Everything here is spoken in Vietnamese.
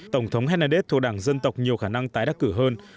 tổng thống henned thuộc đảng dân tộc nhiều khả năng tái đắc cử hơn